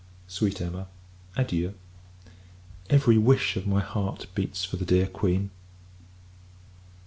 Sweet Emma adieu! Every wish of my heart beats for the dear Queen.